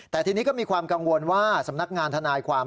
แต่ทีนี้ก็มีความกังวลว่าสำนักงานทนายความ